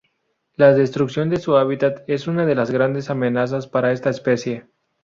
La destrucción de su hábitat es una de las grandes amenazas para esta especie.